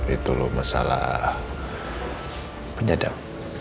itu loh masalah penyadap